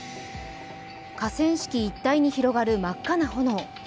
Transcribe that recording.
河川敷一帯に広がる真っ赤な炎。